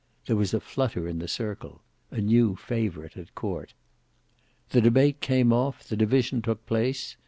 There was a flutter in the circle; a new favourite at court. The debate came off, the division took place.